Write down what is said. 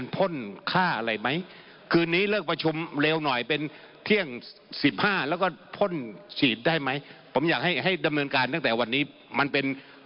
ผมอยากให้ให้ดำเนินการตั้งแต่วันนี้มันเป็น